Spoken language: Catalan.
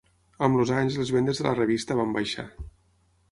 Amb els anys les vendes de la revista van baixar.